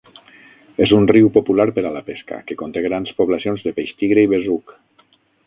És un riu popular per a la pesca, que conté grans poblacions de peix tigre i besuc.